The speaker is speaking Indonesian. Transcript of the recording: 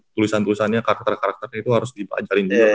tulisan tulisannya karakter karakternya itu harus dipajarin